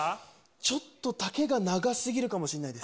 ちょっと丈が長すぎるかもしんないです。